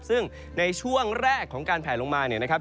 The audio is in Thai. ซึ่งในช่วงแรกของการแผลลงมาเนี่ยนะครับ